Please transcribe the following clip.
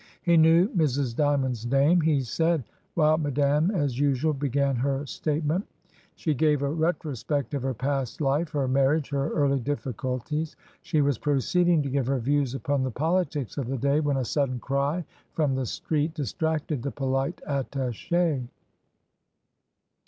He knew Mrs.Dymond's name, he said, while Madame, as usual, began her state ment; she gave a retrospect of her past life, her marriage, her early difficulties; she was proceeding to give her views upon the politics of the day, when a sudden cry from the street distracted the polite attach^.